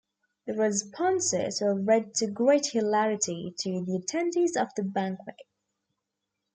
The responses were read to great hilarity to the attendees of the banquet.